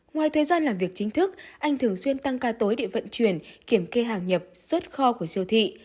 ngoài thời gian làm việc chính thức anh thường xuyên tăng ca tối để vận chuyển kiểm kê hàng nhập xuất kho của siêu thị